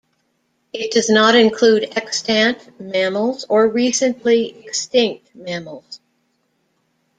It does not include extant mammals or recently extinct mammals.